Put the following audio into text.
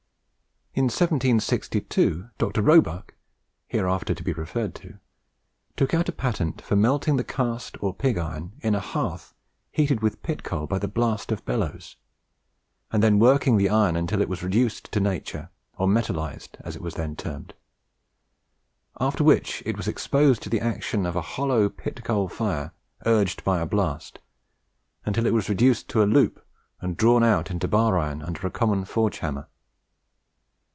In 1762, Dr. Roebuck (hereafter to be referred to) took out a patent for melting the cast or pig iron in a hearth heated with pit coal by the blast of bellows, and then working the iron until it was reduced to nature, or metallized, as it was termed; after which it was exposed to the action of a hollow pit coal fire urged by a blast, until it was reduced to a loop and drawn out into bar iron under a common forge hammer.